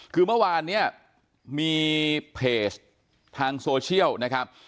คือเมื่อวานเนี่ยมีเพจทางโซเชียลนะครับ